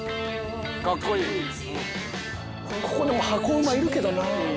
ここ箱馬いるけどなぁ。